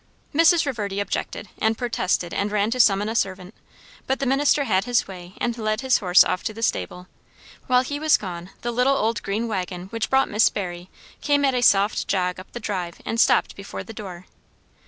Mrs. Reverdy objected and protested and ran to summon a servant, but the minister had his way and led his horse off to the stable. While he was gone, the little old green waggon which brought Miss Barry came at a soft jog up the drive and stopped before the door.